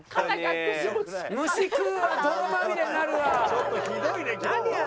ちょっとひどいね今日は。